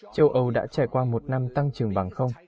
châu âu đã trải qua một năm tăng trưởng bằng không